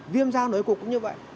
viêm giao nổi cuộc cũng như vậy